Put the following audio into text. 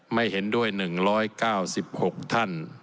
ไม่เห็นด้วย๑๙๖ท่าน